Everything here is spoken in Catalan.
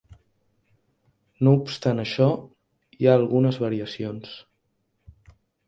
No obstant això, hi ha algunes variacions.